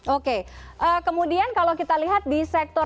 oke kemudian kalau kita lihat di sektor